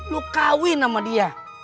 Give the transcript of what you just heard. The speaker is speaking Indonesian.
lu kawin sama dia